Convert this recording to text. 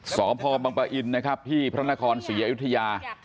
สพบังปะอินนะครับที่พระนครศรีอยุธยา